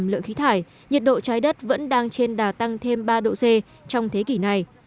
giảm lượng khí thải nhiệt độ trái đất vẫn đang trên đà tăng thêm ba độ c trong thế kỷ này